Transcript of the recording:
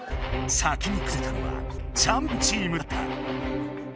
先にくずれたのはチャンピオンチームだった。